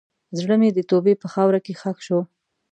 زړه مې د توبې په خاوره کې ښخ شو.